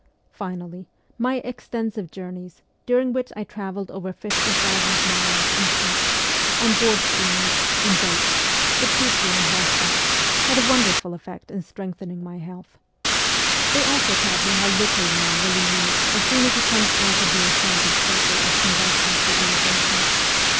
Finally, my extensive journeys, during which I travelled over fifty thousand miles in SIBERIA 197 carts, on board steamers, in boats, but chiefly on horseback, had a wonderful effect in strengthening my health. They also taught me how little man really needs as soon as he comes out of the enchanted circle of conventional civilization.